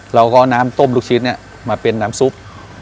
เราก็เอาน้ำต้มลูกชิ้นเนี่ยมาเป็นน้ำซุป